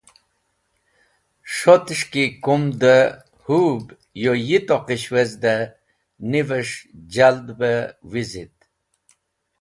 S̃hotes̃h ki kumd dẽ hũb yoy Yi-toqish wezde, nives̃h jald be wizit.